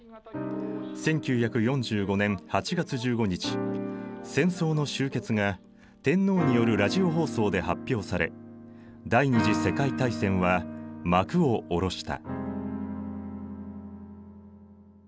１９４５年８月１５日戦争の終結が天皇によるラジオ放送で発表され第二次世界大戦は幕を下ろした。